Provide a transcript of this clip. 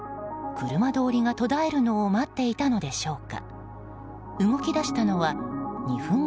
車通りが途絶えるのを待っていたのでしょうか。